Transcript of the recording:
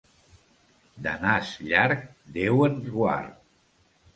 De nas llarg Déu ens guard.